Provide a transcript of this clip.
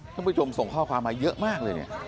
ท่านผู้ชมส่งข้อความมาเยอะมากเลยเนี่ย